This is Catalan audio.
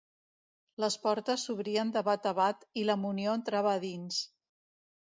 Les portes s'obrien de bat a bat, i la munió entrava a dins